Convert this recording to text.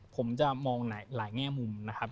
ผมจะคิดอย่างนี้ทั้งหมดเหล่านี้